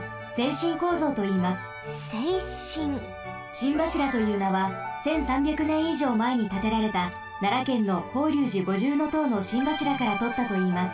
心柱というなは１，３００ねんいじょうまえにたてられたならけんの法隆寺五重塔の心柱からとったといいます。